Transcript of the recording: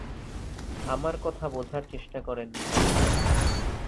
আমার কথা বোঝার চেষ্টা করেন ভাই।